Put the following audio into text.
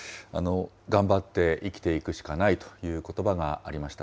頑張って生きていくしかないということばがありました。